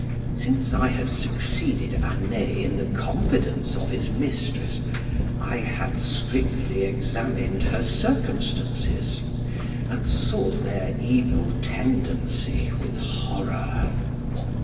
Since I had succeeded Anet in the confidence of his mistress, I had strictly examined her circumstances, and saw their evil tendency with horror.